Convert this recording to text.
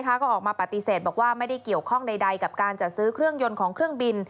ก็ออกมาปฏิเสธบอกว่าไม่ได้เกี่ยวข้องใดกับการจัดซื้อเครื่องยนต์ของเครื่องบิน